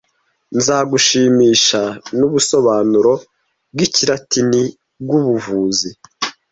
Nzagushimisha nubusobanuro bwikilatini bwubuvuzi